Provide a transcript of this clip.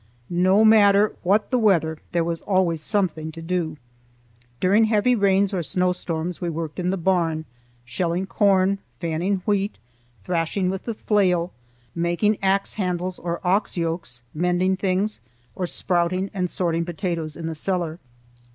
No matter what the weather, there was always something to do. During heavy rains or snowstorms we worked in the barn, shelling corn, fanning wheat, thrashing with the flail, making axe handles or ox yokes, mending things, or sprouting and sorting potatoes in the cellar.